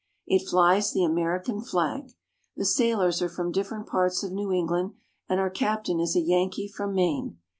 It flies the American flag. The sailors are from different parts of New England, and our captain is a Yankee from Maine.